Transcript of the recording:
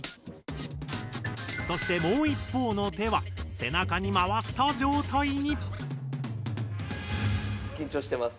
そしてもう一方の手は背中にまわした状態に。